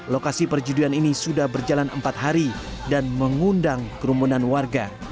lokasi perjudian ini sudah berjalan empat hari dan mengundang kerumunan warga